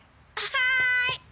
はい。